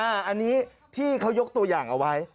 อันนี้ที่เขายกตัวอย่างเอาไว้